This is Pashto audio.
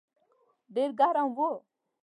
ډېر ګرم و.